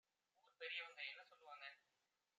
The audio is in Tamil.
ஊர்ப் பெரியவங்க என்ன சொல்லுவாங்க